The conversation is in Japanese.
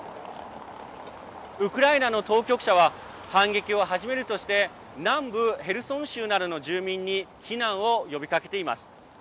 ウクライナの当局者は反撃を始めるとして南部ヘルソン州などの住民に避難を呼びかけています。